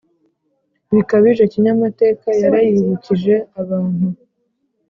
bikabije kinyamateka yarayibukije, abantu